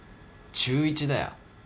中１だよ。